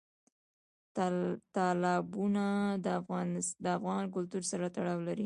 تالابونه د افغان کلتور سره تړاو لري.